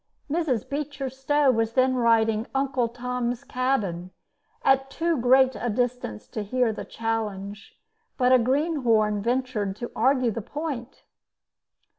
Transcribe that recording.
Mrs. Beecher Stowe was then writing "Uncle Tom's Cabin," at too great a distance to hear the challenge, but a greenhorn ventured to argue the point.